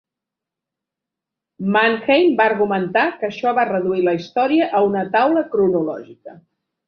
Mannheim va argumentar que això va reduir la història a "una taula cronològica".